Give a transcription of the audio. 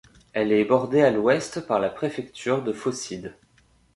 Elle est bordée à l’ouest par la préfecture de Phocide.